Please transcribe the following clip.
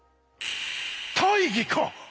大義か！